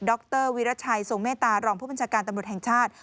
รวิรัชัยทรงเมตตารองผู้บัญชาการตำรวจแห่งชาติ